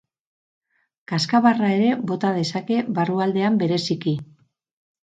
Kazkabarra ere bota dezake, barrualdean bereziki.